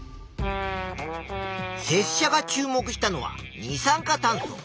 せっしゃが注目したのは二酸化炭素。